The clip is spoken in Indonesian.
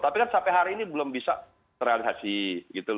tapi kan sampai hari ini belum bisa terrealisasi